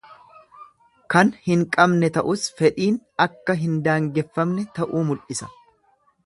Kan hin qabne ta'us fedhiin akka hin daangeffamne ta'uu mul'isa.